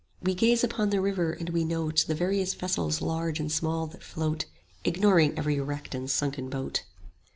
10 "We gaze upon the river, and we note The various vessels large and small that float, Ignoring every wrecked and sunken boat."